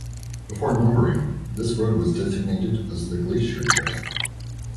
Before numbering, this road was designated as the Glacier Trail.